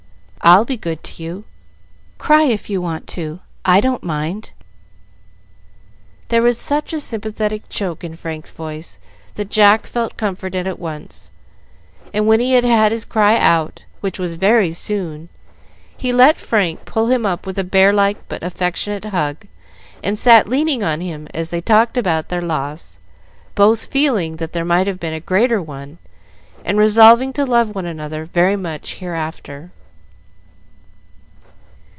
I'll be good to you; cry if you want to, I don't mind." There was such a sympathetic choke in Frank's voice that Jack felt comforted at once, and when he had had his cry out, which was very soon, he let Frank pull him up with a bear like but affectionate hug, and sat leaning on him as they talked about their loss, both feeling that there might have been a greater one, and resolving to love one another very much hereafter.